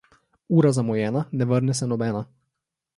Ura zamujena ne vrne se nobena.